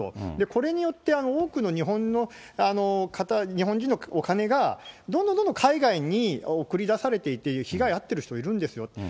これによって、多くの日本の方、日本人のお金が、どんどんどんどん海外に送り出されていて、被害に遭ってる人いるんですよ。